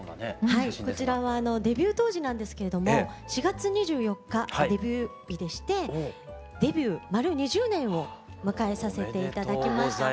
はいこちらはデビュー当時なんですけれども４月２４日デビュー日でしてデビュー丸２０年を迎えさせて頂きました。